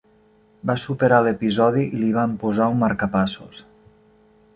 Va superar l'episodi i li van posar un marcapassos.